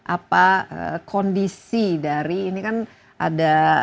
apa kondisi dari ini kan ada